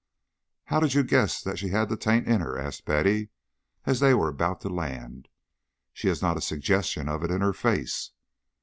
"How did you guess that she had the taint in her?" asked Betty, as they were about to land. "She has not a suggestion of it in her face."